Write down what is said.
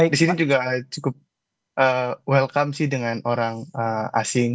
di sini juga cukup welcome sih dengan orang asing